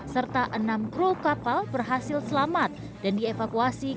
serta enam kru kapal berhasil selamat dan dievakuasi